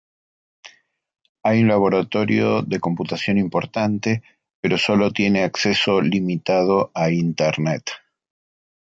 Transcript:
Hay un laboratorio de computación importante, pero sólo tiene acceso limitado a Internet.